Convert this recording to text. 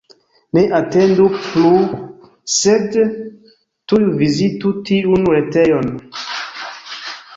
Ne atendu plu, sed tuj vizitu tiun retejon!